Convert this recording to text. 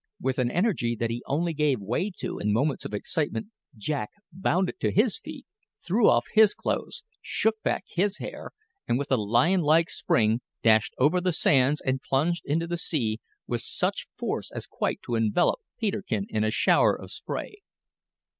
With an energy that he only gave way to in moments of excitement, Jack bounded to his feet, threw off his clothes, shook back his hair, and with a lion like spring, dashed over the sands and plunged into the sea with such force as quite to envelop Peterkin in a shower of spray.